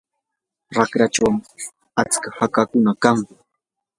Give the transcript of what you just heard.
raqrachaw atska hachakunam kan.